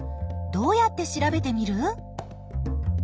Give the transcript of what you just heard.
どうやって調べてみる？